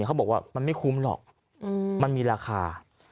เขาบอกว่ามันไม่คุ้มหรอกมันมีราคา